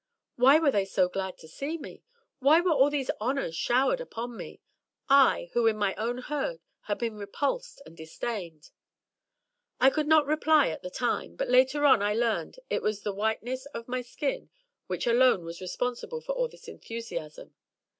Why were they so glad to see me? Why were all these honors showered upon me? I, who in my own Herd had been repulsed and disdained! I could find no reply at the time, but later on I learned that it was the whiteness of my skin which alone was responsible for all this enthusiasm.